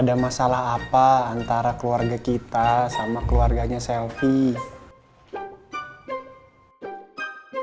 ada masalah apa antara keluarga kita sama keluarganya selfie